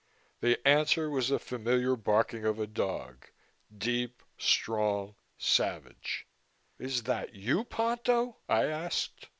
The answer was the familiar barking of a dog deep, strong, savage. "Is that you, Ponto?" I asked.